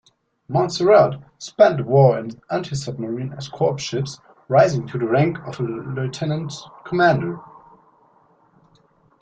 Monsarrat spent the war in anti-submarine escort ships, rising to the rank of Lieutenant-Commander.